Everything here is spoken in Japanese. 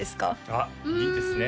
あっいいですね